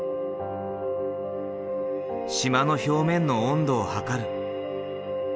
島の表面の温度を測る。